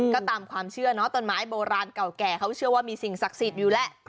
ก็ตามความเชื่อเนาะต้นไม้โบราณเก่าแก่เขาเชื่อว่ามีสิ่งศักดิ์สิทธิ์อยู่แหละ